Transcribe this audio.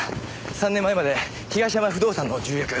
３年前まで東山不動産の重役。